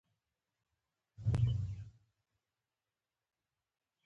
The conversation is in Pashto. لرغون پېژندونکي هر کال نوي لیکونه مومي.